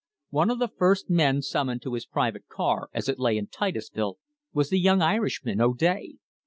One of the first men sum moned to his private car as it lay in Titusville was the young Irishman, O'Day.